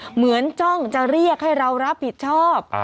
จ้องจะเรียกให้เรารับผิดชอบ